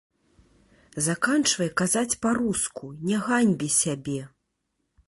Заканчвай казаць па-руску, не ганьбі сябе!